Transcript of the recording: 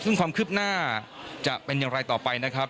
ซึ่งความคืบหน้าจะเป็นอย่างไรต่อไปนะครับ